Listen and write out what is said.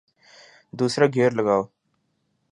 دوسرا گیئر لگاؤ